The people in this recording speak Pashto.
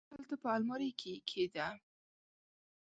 هلته په المارۍ کي یې کښېږده !